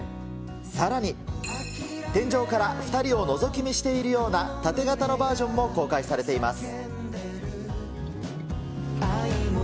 さらに、天井から２人をのぞき見しているような縦型のバージョンも公開されています。